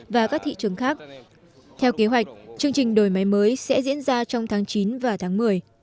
và các thị trường khác theo kế hoạch chương trình đổi mới sẽ diễn ra trong tháng chín và tháng một mươi